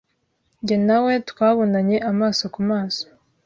njye na we twabonanye amaso ku maso,